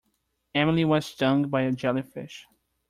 Emily was stung by a jellyfish.